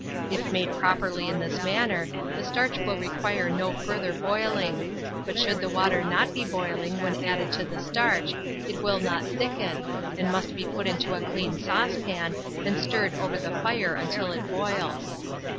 If made properly in this manner, the starch will require no further boiling; but should the water not be boiling when added to the starch, it will not thicken, and must be put into a clean saucepan, and stirred over the fire until it boils.